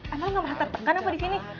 emang lo gak pernah tertekan apa disini